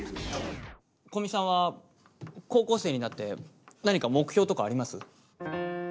古見さんは高校生になって何か目標とかあります？